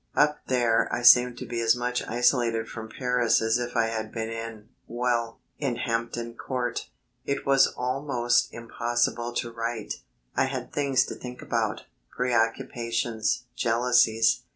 Up there I seemed to be as much isolated from Paris as if I had been in well, in Hampton Court. It was almost impossible to write; I had things to think about: preoccupations, jealousies.